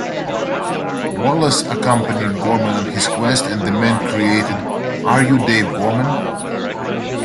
Wallace accompanied Gorman on his quest and the men created Are You Dave Gorman?